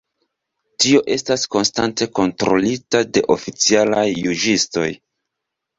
Tio estas konstante kontrolita de oficialaj juĝistoj.